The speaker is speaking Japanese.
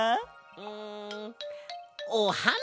うんおはな！